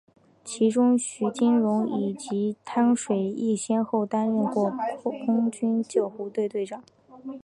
其中徐金蓉以及汤水易先后担任过空军救护队队长。